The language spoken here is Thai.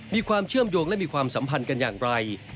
มีความเชื่อมโยงและมีความสัมพันธ์กันอย่างไร